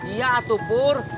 iya atu pur